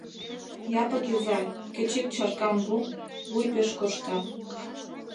Япык изай, кеч ик чаркам пу: вуй пеш коршта...